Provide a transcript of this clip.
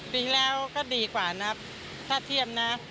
ปีที่แล้วก็ดีกว่านะถ้าเที่ยมนะ